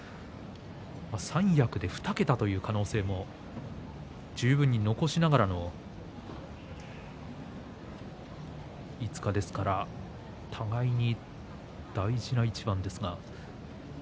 三役で２桁という可能性も十分に残しながらの５日ですから互いに大事な一番です。